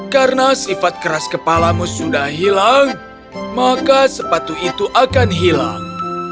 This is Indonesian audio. karena sifat keras kepalamu sudah hilang maka sepatu itu akan hilang